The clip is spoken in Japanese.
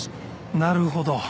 なるほど。